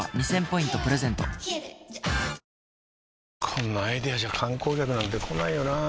こんなアイデアじゃ観光客なんて来ないよなあ